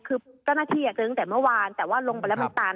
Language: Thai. คือเจ้าหน้าที่เจอตั้งแต่เมื่อวานแต่ว่าลงไปแล้วมันตัน